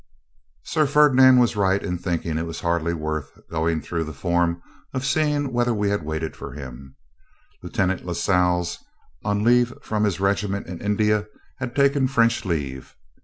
Sir Ferdinand was right in thinking it was hardly worth while going through the form of seeing whether we had waited for him. Lieutenant Lascelles, on leave from his regiment in India, had taken French leave.